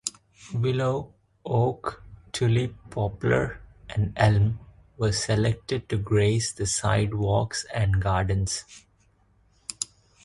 "Willow, oak, tulip poplar, and elm" were selected to grace the sidewalks and gardens.